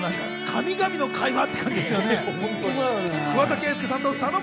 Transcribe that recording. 神々の会話って感じですよね。